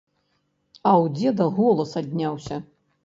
А ў дзеда голас адняўся.